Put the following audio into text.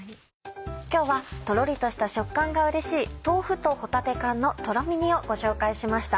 今日はとろりとした食感がうれしい「豆腐と帆立缶のとろみ煮」をご紹介しました。